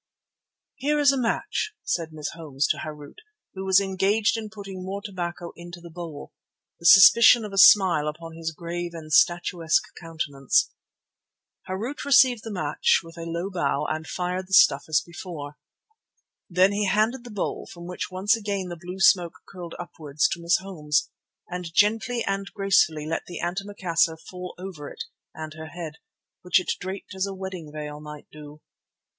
"Here is a match," said Miss Holmes to Harût who was engaged in putting more tobacco into the bowl, the suspicion of a smile upon his grave and statuesque countenance. Harût received the match with a low bow and fired the stuff as before. Then he handed the bowl, from which once again the blue smoke curled upwards, to Miss Holmes, and gently and gracefully let the antimacassar fall over it and her head, which it draped as a wedding veil might do.